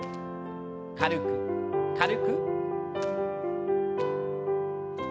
軽く軽く。